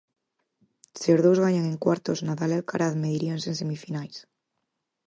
Se os dous gañan en cuartos, Nadal e Alcaraz mediríanse en semifinais.